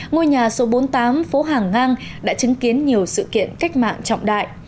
ngôi nhà số bốn mươi tám phố hàng ngang đã chứng kiến nhiều sự kiện cách mạng trọng đại